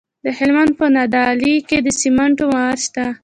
د هلمند په نادعلي کې د سمنټو مواد شته.